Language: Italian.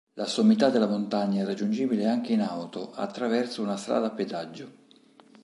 La sommità della montagna è raggiungibile anche in auto attraverso una strada a pedaggio.